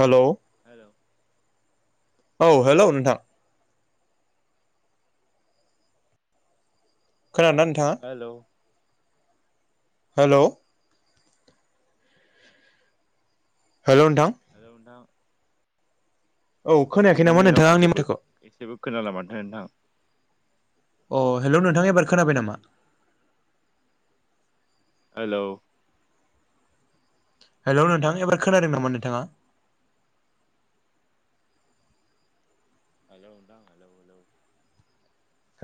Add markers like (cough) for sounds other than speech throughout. हेल' hello औ hello नोंथां खोना नोंथाङा? हेलौ हेल' हेल' नोंथां नोंथां औ खोनायाखै नामा नोंथांनि नोंथाङा रावखौ आंनि जेबो माथोखौ एसेबो खोनाला मानोथ नोंथां अ हेल' नोंथाङा एबार खोनाबाय नामा? हेल' हेल' नोंथां एबार खोनादों नामा नोंथाङा? हेल' नोंथां हेल' हेल'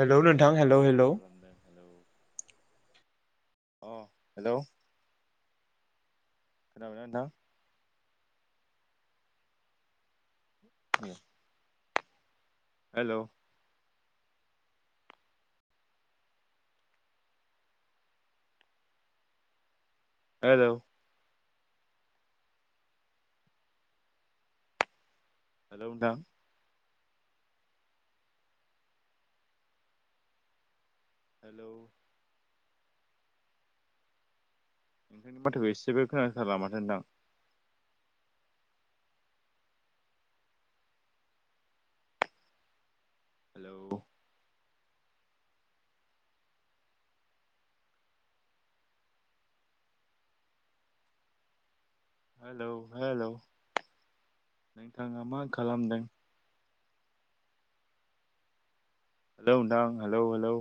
हेलौ नोंथां हेलौ नोंथाङा मा हेलौ खालामदों हेल' अ हेल' खोनाबायना नोंथां? (inaudible) (unintelligible) हेल' हेल' हेल'उ नोंथां हेलौ नोंथांनि बाथाखौ एसेबो खोनाथारला माथो नोंथां हेल' हेलौ हेल' नोंथाङा मा खालामदों हेलौ नोंथां हेलौ हेलौ